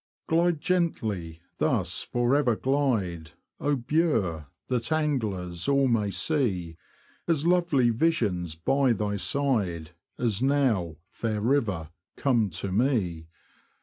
Glide gently, thus for ever glide, O Bure ! that anglers all may see As lovely visions by thy side As now, fair river, come to me.